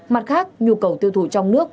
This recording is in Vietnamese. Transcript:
mặt khác nhu cầu tiêu thụ trong nước